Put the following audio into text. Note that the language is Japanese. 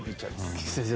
菊地先生